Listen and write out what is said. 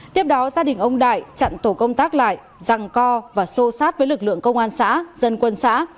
tiếp đó gia đình ông đại chặn tổ công tác lại răng co và xô sát với lực lượng công an xã dân quân xã